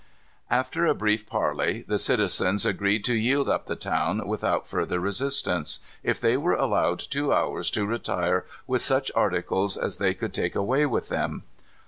After a brief parley, the citizens agreed to yield up the town, without further resistance, if they were allowed two hours to retire with such articles as they could take away with them.